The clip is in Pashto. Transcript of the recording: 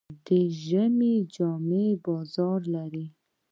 د ژمي جامې بازار لري.